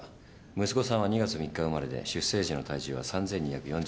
息子さんは２月３日生まれで出生時の体重は３，２４５。